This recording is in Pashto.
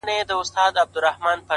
ځوان د سگريټو تسه کړې قطۍ وغورځول _